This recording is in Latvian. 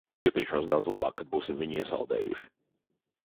Jutīšos daudz labāk, kad būsim viņu iesaldējuši.